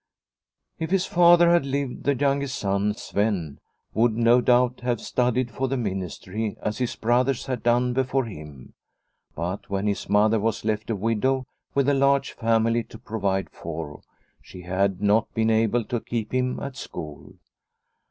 If his father had lived, the youngest son, Sven, would, no doubt, have studied for the ministry as his brothers had done before him. But when his mother was left a widow with a large family to provide for, she had not been able to keep him at school.